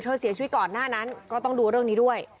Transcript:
เสียชีวิตก่อนหน้านั้นก็ต้องดูเรื่องนี้ด้วย